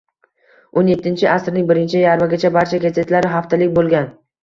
O'n yettinchi asrning birinchi yarmigacha barcha gazetalar haftalik bo‘lgan